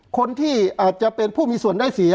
คนที่อาจจะเป็นผู้มีส่วนได้เสีย